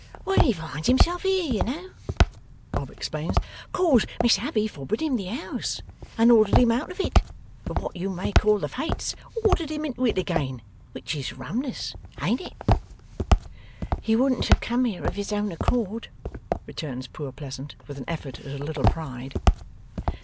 'When he finds himself here, you know,' Bob explains. 'Cause Miss Abbey forbid him the house and ordered him out of it. But what you may call the Fates ordered him into it again. Which is rumness; ain't it?' 'He wouldn't have come here of his own accord,' returns poor Pleasant, with an effort at a little pride.